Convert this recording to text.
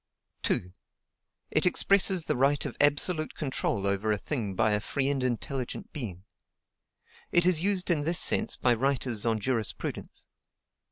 2. It expresses the right of absolute control over a thing by a free and intelligent being. It is used in this sense by writers on jurisprudence.